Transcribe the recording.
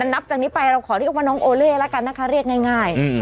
นับจากนี้ไปเราขอเรียกว่าน้องโอเล่แล้วกันนะคะเรียกง่าย